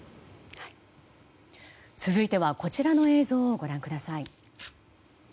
続いてはこちらの映像をご覧ください。